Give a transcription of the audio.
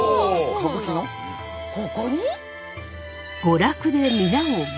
ここに？